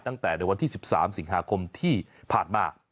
ตั้งแต่ในวันที่๑๓สิงหาคมที่ผ่านมา